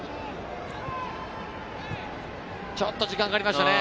ちょっと時間がかかりましたね。